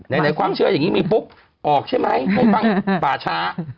ในไหนความเชื่อมันก็มีปุ๊บออกใช่มั้ยปากช้า